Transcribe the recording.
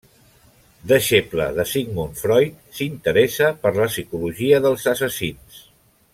Deixeble de Sigmund Freud, s'interessa per la psicologia dels assassins.